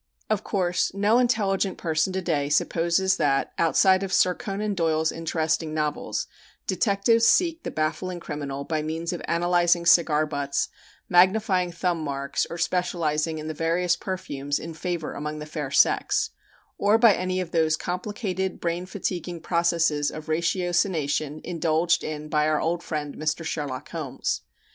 Of course, no intelligent person to day supposes that, outside of Sir Conan Doyle's interesting novels, detectives seek the baffling criminal by means of analyzing cigar butts, magnifying thumb marks or specializing in the various perfumes in favor among the fair sex, or by any of those complicated, brain fatiguing processes of ratiocination indulged in by our old friend, Mr. Sherlock Holmes.